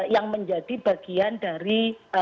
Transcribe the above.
yang menjadi bagian dari